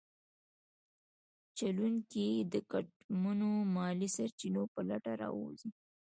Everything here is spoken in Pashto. چلونکي یې د ګټمنو مالي سرچینو په لټه راوځي.